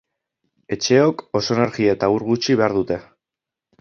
Etxeok oso energia eta ur gutxi behar dute.